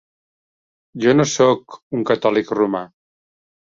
Jo no sóc un catòlic romà.